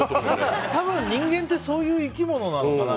多分、人間ってそういう生き物なのかな。